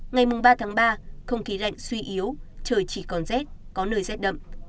ngày ba tháng ba không khí lạnh suy yếu trời chỉ còn rét có nơi rét đậm